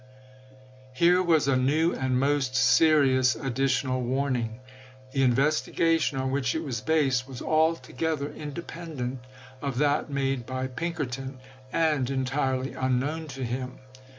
Here was a new and most serions additional warning. The investigation on which it was based was altogether independent of that made by Pink erton, and entirely unknown to him.